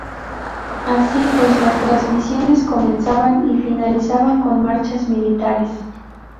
Así pues las transmisiones comenzaban y finalizaban con marchas militares.